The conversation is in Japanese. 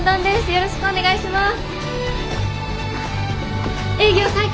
よろしくお願いします。